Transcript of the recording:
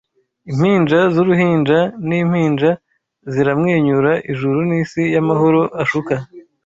Impinja z'uruhinja n'impinja ziramwenyura Ijuru n'isi y'amahoro ashuka